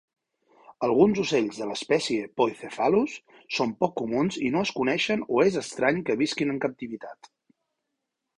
Alguns ocells de l'espècie "Poicephalus" són poc comuns i no es coneixen o és estrany que visquin en captivitat.